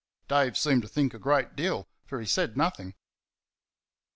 Dave seemed to think a great deal, for he said nothing.